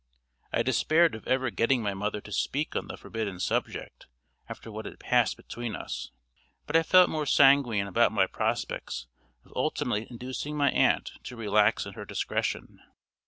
I despaired of ever getting my mother to speak on the forbidden subject after what had passed between us, but I felt more sanguine about my prospects of ultimately inducing my aunt to relax in her discretion.